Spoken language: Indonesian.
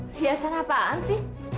perhiasan apaan sih